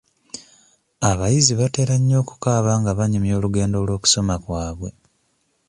Abayizi batera nnyo okukaaba nga banyumya olugendo lw'okusoma kwabwe.